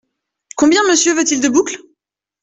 Combien Monsieur veut-il de boucles ?